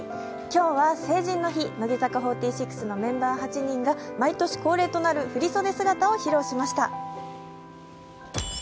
希有は成人の日乃木坂４６の成人の８人が毎年恒例となる振り袖姿を公開しました。